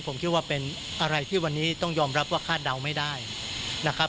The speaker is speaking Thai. ผมคิดว่าเป็นอะไรที่วันนี้ต้องยอมรับว่าคาดเดาไม่ได้นะครับ